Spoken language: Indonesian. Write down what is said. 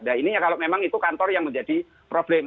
nah ini kalau memang itu kantor yang menjadi problem